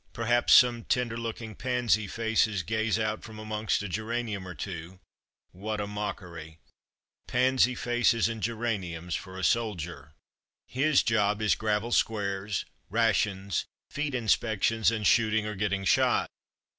Per haps some tender looking pansy faces gaze out from amongst a geranium or two — what a mockery! Pansy faces and geraniums for a soldier! His job is gravel squares, rations, feet inspections, and shooting or getting shot.